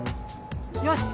よし！